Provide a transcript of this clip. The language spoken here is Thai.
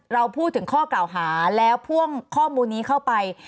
เราพูดถึงข้อกล่าวหาแล้วพ่วงข้อมูลนี้เข้าไป